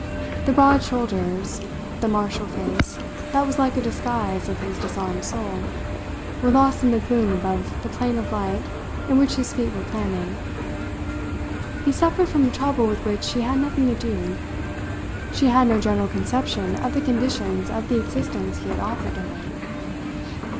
The broad shoulders, the martial face that was like a disguise of his disarmed soul, were lost in the gloom above the plane of light in which his feet were planted. He suffered from a trouble with which she had nothing to do. She had no general conception of the conditions of the existence he had offered to her.